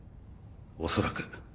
おそらく。